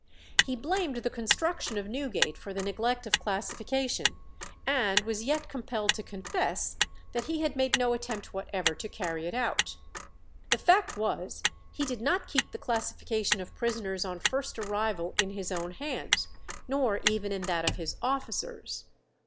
He blamed the construction of Newgate for the neglect of classification, and was yet compelled to confess that he had made no attempt whatever to carry it out. The fact was, he did not keep the classification of prisoners on first arrival in his own hands, nor even in that of his officers.